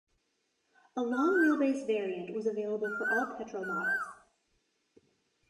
A long-wheelbase variant was available for all petrol models.